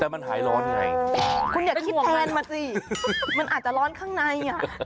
มันอาจจะร้อนข้างใน